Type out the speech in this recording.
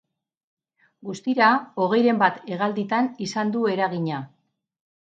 Guztira, hogeiren bat hegalditan izan du eragina.